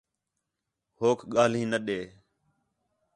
ہوک ڳاہلیں نہ ݙے